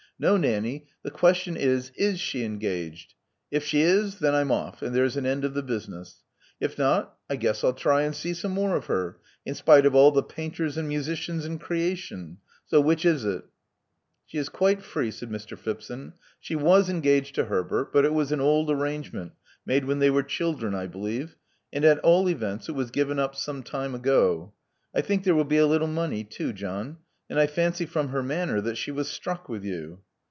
No, Nanny: the question is. Is she engaged? If she is, then I'm off; and there's an end of the business. If not, I guess I'll try and see some more of her, in spite of all the painters and musicians in creation. So, which is it?" She is quite free," said Mr. Phipson. "She was engaged to Herbert ; but it was an old arrangement, made when they were children, I believe ; and at all events it was given up some time ago. I think there will be a little money too, John. And I fancy from her manner that she was struck with you."